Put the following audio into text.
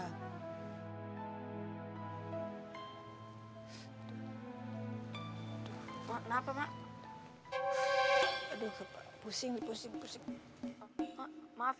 lagi keadaan begini susah begini lo tinggal